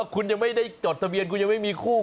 คุณยังไม่ได้จดทะเบียนคุณยังไม่มีคู่